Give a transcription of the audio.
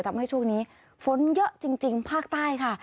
ทำให้ช่วงนี้ฝนเยอะจริงภาคใต้ค่ะ